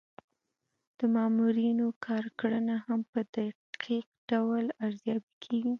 د مامورینو کارکړنه هم په دقیق ډول ارزیابي کیږي.